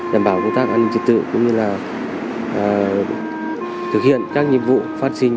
đảm bảo công tác an ninh trật tự cũng như là thực hiện các nhiệm vụ phát sinh